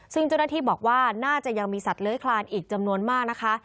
ซึ่งเจ้าหน้าที่บอกว่าน่าจะยังมีสัตว์เลื้อยคลานอีกจำนวนมากนะคะ